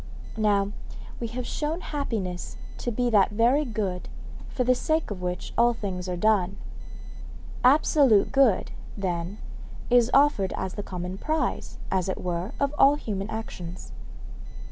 Now, we have shown happiness to be that very good for the sake of which all things are done. Absolute good, then, is offered as the common prize, as it were, of all human actions.